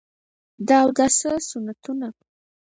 د اوداسه سنتونه: